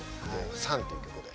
「ＳＵＮ」という曲で。